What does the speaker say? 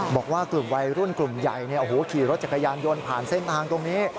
บอกว่ากลุ่มวัยรุ่นกลุ่มใหญ่ขี่รถจักรยานยนต์ผ่านเส้นทางตรงนี้